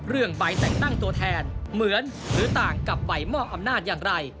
เรื่องใบแต่งตั้งตัวแทนเหมือนหรือต่างกับใบมอบอำนาจอย่างไร